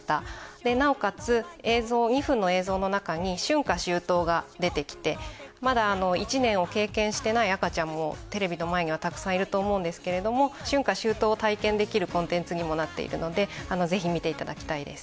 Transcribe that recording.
でなおかつ映像２分の映像の中に春夏秋冬が出てきてまだ１年を経験してない赤ちゃんもテレビの前にはたくさんいると思うんですけれども春夏秋冬を体験できるコンテンツにもなっているのでぜひ見ていただきたいです。